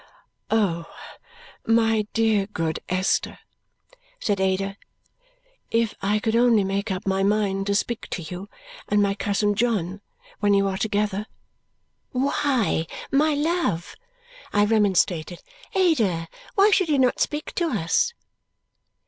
"Oh, my dear good Esther," said Ada, "if I could only make up my mind to speak to you and my cousin John when you are together!" "Why, my love!" I remonstrated. "Ada, why should you not speak to us!"